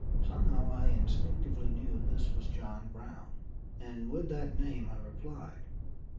Somehow I instinctively knew this was John Brown, and with that name I replied....